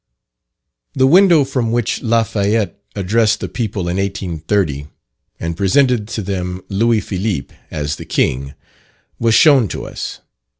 The window from which Lafayette addressed the people in 1830, and presented to them Louis Philippe, as the king, was shown to us.